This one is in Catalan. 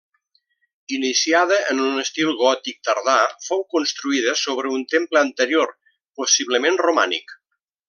Iniciada en un estil gòtic tardà, fou construïda sobre un temple anterior, possiblement romànic.